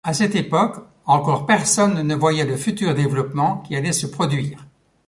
À cette époque, encore personne ne voyait le futur développement qui allait se produire.